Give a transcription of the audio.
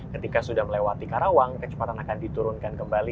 ketika sudah melewati karawang kecepatan akan diturunkan kembali